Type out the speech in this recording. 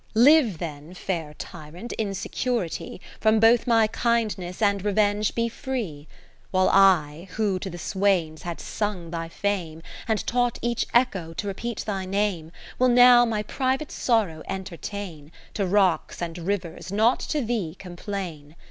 Live then (fair Tyrant) in security, From both my kindness and revenge be free ; While I, who to the swains had sung thy fame. And taught each echo to repeat thy name, 40 Will now my private sorrow enter tain, To rocks and rivers, not to thee, complain.